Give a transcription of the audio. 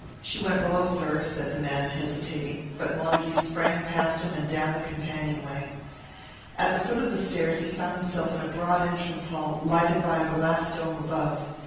"She went below, sir," said the man, hesitating; but Montague sprang past him and down the companionway. At the foot of the stairs he found himself in a broad entrance hall, lighted by a glass dome above.